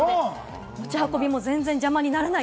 持ち運びも全然、邪魔になりません。